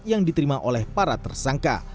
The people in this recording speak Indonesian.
yang diterima oleh pemimpin pembangunan